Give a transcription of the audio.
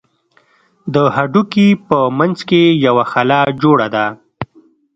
د هډوکي په منځ کښې يوه خلا جوړه ده.